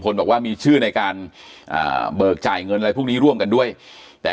บอกว่ามีชื่อในการอ่าเบิกจ่ายเงินอะไรพวกนี้ร่วมกันด้วยแต่